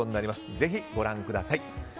ぜひご覧ください。